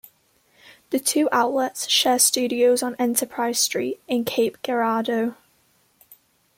The two outlets share studios on Enterprise Street in Cape Girardeau.